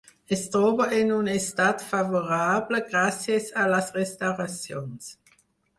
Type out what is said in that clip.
Es troba en un estat favorable gràcies a les restauracions.